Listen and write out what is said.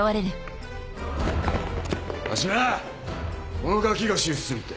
このガキが手術するって。